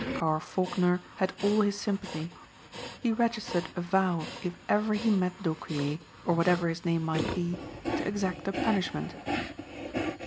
Carr Faulkner had all his sympathy. He registered a vow if ever he met d'Aucquier, or whatever his name might be, to exact a punishment.